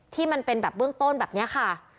ที่เป็นแบบเบื้องต้นแบบนี้ค่ะ